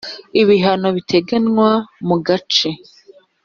ibihano biteganywa mu gace